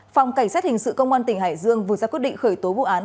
phòng cảnh sát hình sự công an tỉnh hải dương vừa ra quyết định khởi tố vụ án